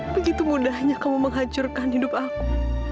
begitu mudahnya kamu menghancurkan hidup aku